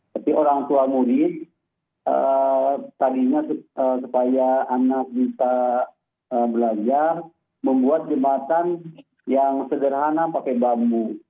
tapi orang tua murid tadinya supaya anak bisa belajar membuat jembatan yang sederhana pakai bambu